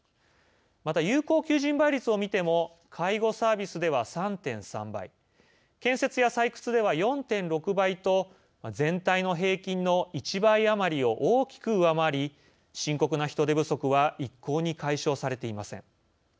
また、有効求人倍率を見ても介護サービスでは３．３倍建設や採掘では４．６倍と全体の平均の１倍余りを大きく上回り、深刻な人手不足は一向に解消されていません。